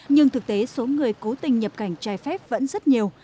nhưng thực tế số người cố tình nhập cảnh trái phép vẫn rất nhiều